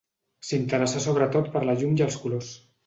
S'interessà sobretot per la llum i els colors.